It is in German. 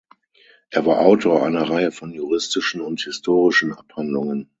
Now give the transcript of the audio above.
Er war Autor einer Reihe von juristischen und historischen Abhandlungen.